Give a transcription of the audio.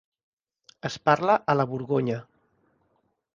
Es parla a la Borgonya.